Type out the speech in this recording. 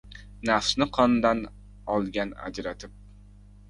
Nafsni qondan olgan ajratib